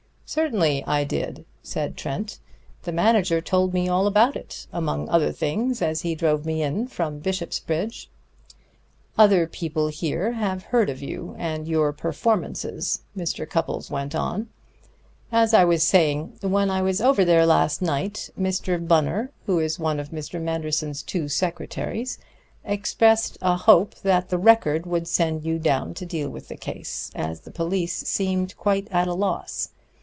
"Certainly I did," said Trent. "The manager told me all about it, among other things, as he drove me in from Bishopsbridge." "Other people here have heard of you and your performances," Mr. Cupples went on. "As I was saying, when I was over there last night, Mr. Bunner, who is one of Manderson's two secretaries, expressed a hope that the Record would send you down to deal with the case, as the police seemed quite at a loss.